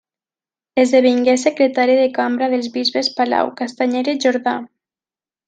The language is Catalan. Esdevingué secretari de cambra dels bisbes Palau, Castanyer i Jordà.